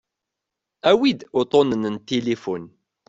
Awi-d uṭṭunen n tilifun.